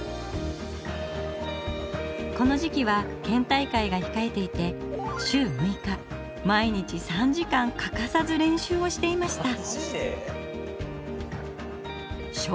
この時期は県大会がひかえていて週６日毎日３時間欠かさず練習をしていました。